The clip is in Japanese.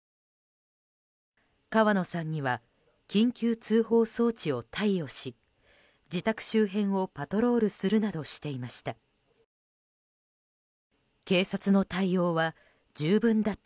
川野さんには緊急通報装置を貸与し自宅周辺をパトロールするなどしていました。